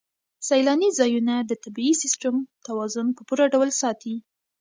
سیلاني ځایونه د طبعي سیسټم توازن په پوره ډول ساتي.